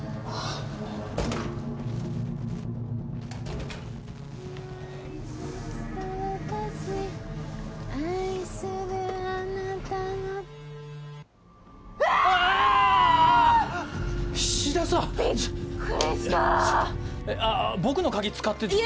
あっ僕の鍵使って。